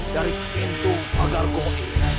dari pintu pagar koin